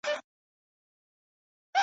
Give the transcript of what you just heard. بريالي به را روان وي ,